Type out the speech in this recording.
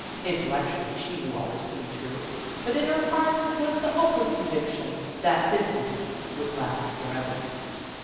Intellectually she knew all this to be true, but in her heart was the hopeless conviction that this winter would last forever.